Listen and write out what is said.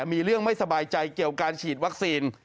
มีเรื่องไม่สบายใจเกี่ยวการฉีดวัคซีน